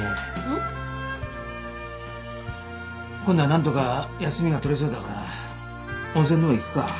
ん？今度はなんとか休みが取れそうだから温泉でも行くか。